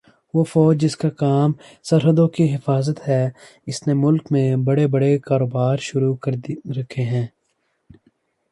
وہ فوج جس کا کام سرحدوں کی حفاظت ہے اس نے ملک میں بڑے بڑے کاروبار شروع کر رکھے ہیں